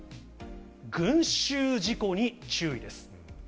群集事故に注意です。